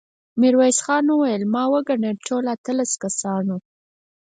ميرويس خان وويل: ما وګڼل، ټول اتلس کسان وو.